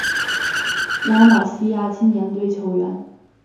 拉玛西亚青年队球员